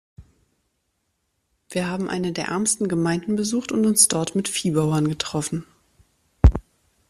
Wir haben eine der ärmsten Gemeinden besucht und uns dort mit Viehbauern getroffen.